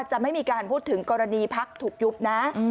บอกว่าจะไม่มีการพูดถึงกรณีภักดิ์ถูกยุบนะ